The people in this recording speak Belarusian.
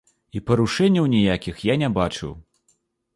І парушэнняў ніякіх я не бачыў.